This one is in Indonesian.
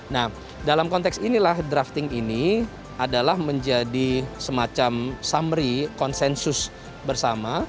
nah dalam konteks inilah drafting ini adalah menjadi semacam summary konsensus bersama